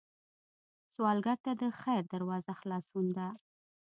سوالګر ته د خیر دروازه خلاصون ده